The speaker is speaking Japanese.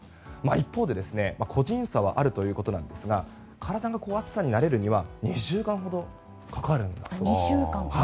一方で個人差はあるということですが体が暑さに慣れるには２週間ほどかかるそうです。